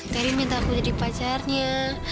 karin minta aku jadi pacarnya